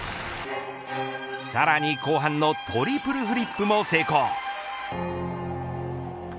さらに後半のトリプルフリップも成功。